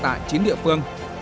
tại chín địa phương